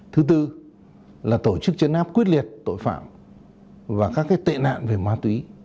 thứ tư là tổ chức chấn áp quyết liệt tội phạm và các tệ nạn về ma túy